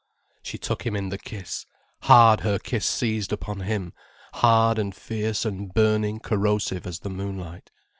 She took him in the kiss, hard her kiss seized upon him, hard and fierce and burning corrosive as the moonlight.